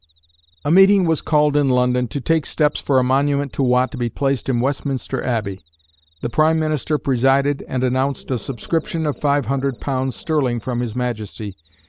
A meeting was called in London to take steps for a monument to Watt to be placed in Westminster Abbey. The prime minister presided and announced a subscription of five hundred pounds sterling from His Majesty.